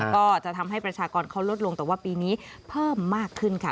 ก็จะทำให้ประชากรเขาลดลงแต่ว่าปีนี้เพิ่มมากขึ้นค่ะ